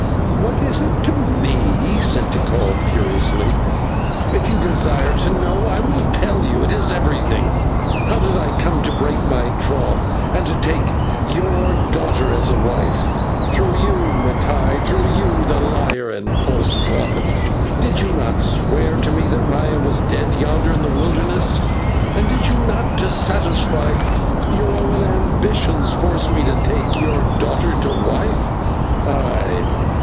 "What is it to me?" said Tikal, furiously. "If you desire to know, I will tell you. It is everything. How did I come to break my troth and to take your daughter as a wife? Through you, Mattai, through you, the liar and the false prophet. Did you not swear to me that Maya was dead yonder in the wilderness? And did you not, to satisfy your own ambitions, force me on to take your daughter to wife? Ay!